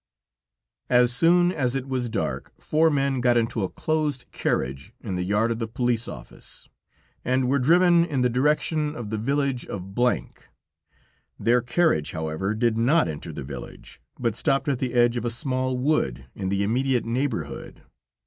As soon as it was dark, four men got into a closed carriage in the yard of the police office, and were driven in the direction of the village of S ; their carriage, however, did not enter the village, but stopped at the edge of a small wood in the immediate neighborhood.